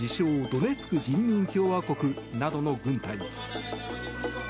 ドネツク人民共和国などの軍隊。